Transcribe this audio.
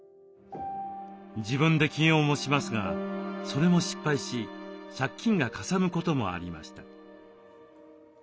自分で起業もしますがそれも失敗し借金がかさむこともありました。